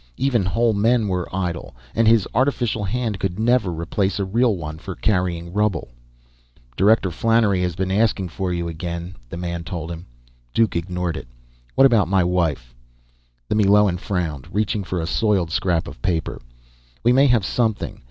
Even whole men were idle, and his artificial hand could never replace a real one for carrying rubble. "Director Flannery has been asking for you again," the man told him. Duke ignored it. "What about my wife?" The Meloan frowned, reaching for a soiled scrap of paper. "We may have something.